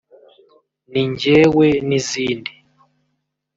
‘Ni njyewe’ n’izindi